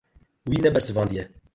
Wî nebersivandiye.